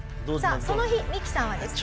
その日ミキさんはですね